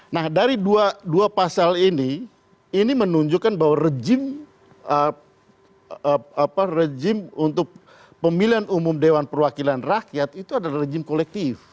nah dari dua pasal ini ini menunjukkan bahwa rejim rejim untuk pemilihan umum dewan perwakilan rakyat itu adalah rejim kolektif